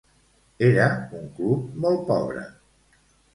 Era un club molt pobre.